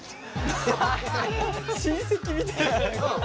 親戚みたい。